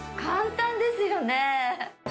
簡単ですよね。